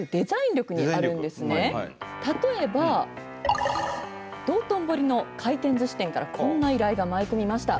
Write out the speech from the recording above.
例えば道頓堀の回転ずし店からこんな依頼が舞い込みました。